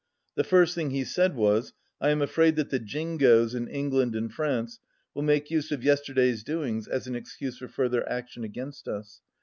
The first thing he said was : "I am afraid that the Jingoes in Eng land and France will make use of yesterday's do ings as an excuse for further action against us.